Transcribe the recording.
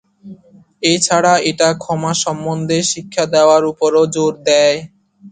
এছাড়া, এটা ক্ষমা সম্বন্ধে শিক্ষা দেওয়ার ওপরও জোর দেয়।